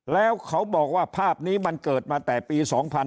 แล้วเขาบอกว่าภาพนี้มันเกิดมาแต่ปี๒๕๕๙